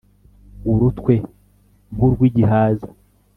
urutwe nk'urw'igihaza